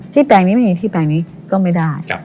แปลงนี้ไม่มีที่แปลงนี้ก็ไม่ได้